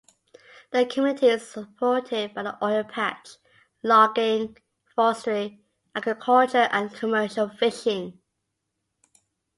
The community is supported by the oil patch, logging, forestry, agriculture, and commercial fishing.